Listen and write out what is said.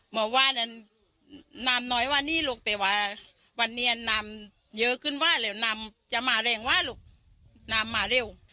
บอกว่านั้นน้ำน้อยว่านี่ลูกแต่ว่าวันนี้น้ำเยอะขึ้นว่าเร็วน้ำจะมาแรงว่าลูกน้ำมาเร็ว